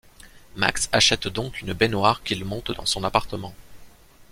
Max achète donc une baignoire qu'il monte dans son appartement.